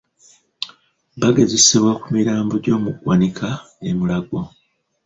Bagezesebwa ku mirambo gy'omu ggwanika e Mulago.